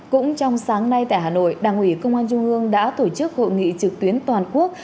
cũng trong sáng nay tại hà nội đảng ủy công an trung ương đã tổ chức hội nghị trực tuyến toàn quốc